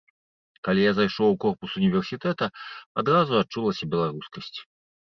Калі я зайшоў у корпус універсітэта, адразу адчулася беларускасць.